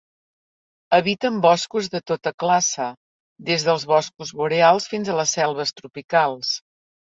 Habiten boscos de tota classe, des dels boscos boreals fins a les selves tropicals.